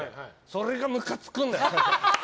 それがむかつくんだよ。